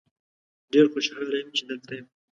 ډیر خوشحال یم چې دلته یم.